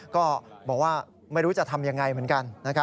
ก็บอกว่าไม่รู้จะทำยังไงเหมือนกัน